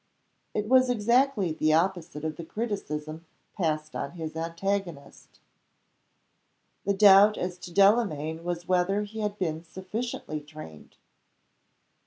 It was exactly the opposite of the criticism passed on his antagonist. The doubt as to Delamayn was whether he had been sufficiently trained.